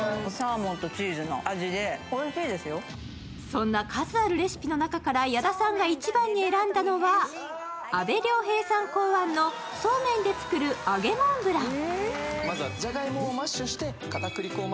そんな数あるレシピの中から矢田さんが一番に選んだのは阿部亮平さん考案のそうめんで作る揚げモンブラン。